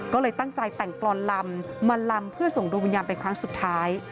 ก็เลยตั้งใจแต่งกรอนลำมาลำเพื่อส่งดวงวิญญาณเป็นครั้งสุดท้าย